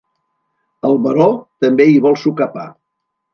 El baró també hi vol sucar pa.